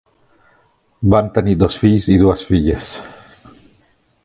Van tenir dos fills i dues filles.